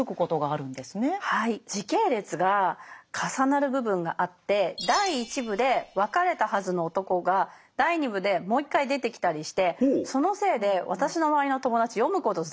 時系列が重なる部分があって第一部で別れたはずの男が第二部でもう一回出てきたりしてそのせいで私の周りの友達読むことを挫折した人が多いんですよ。